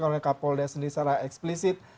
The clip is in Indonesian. oleh kapolda sendiri secara eksplisit